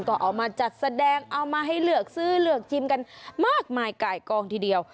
ก็เอามาจัดแสดงเอามาให้เลือกซื้อเลือกชิมกันมากมายไก่กองทีเดียว